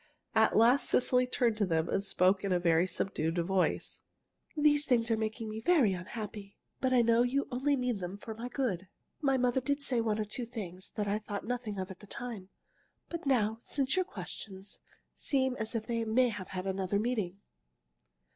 At last Cecily turned to them and spoke in a very subdued voice: "These things are making me very unhappy, but I know you only mean them for my good. My mother did say one or two things that I thought nothing of at the time, but now, since your questions, seem as if they may have another meaning.